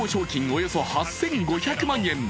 およそ８５００万円。